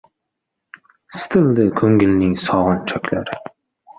Sitildi ko‘ngilning sog‘inch choklari